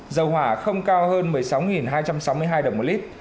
dầu hỏa không cao hơn một mươi sáu hai trăm sáu mươi hai đồng một lít